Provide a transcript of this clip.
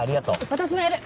私もやる！